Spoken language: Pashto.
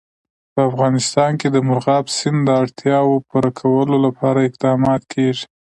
په افغانستان کې د مورغاب سیند د اړتیاوو پوره کولو لپاره اقدامات کېږي.